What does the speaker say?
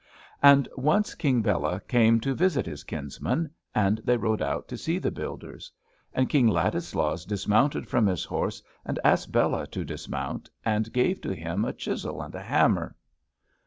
And once King Bela came to visit his kinsman, and they rode out to see the builders. And King Ladislaus dismounted from his horse, and asked Bela to dismount, and gave to him a chisel and a hammer.